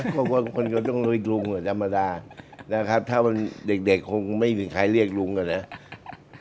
คนก็ต้องเรียกลุงแบบธรรมดานะครับถ้าวันเด็กคงไม่เห็นใครเรียกลุงอะเนี่ย